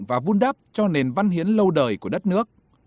và vun đắp cho nền văn hiến lâu đời của đất nước